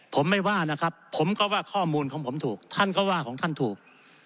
ผมไม่ว่านะครับผมก็ว่าข้อมูลของผมถูกท่านก็ว่าของท่านถูก